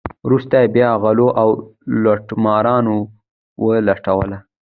وروسته بیا غلو او لوټمارانو ولوټله.